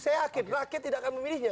saya yakin rakyat tidak akan memilihnya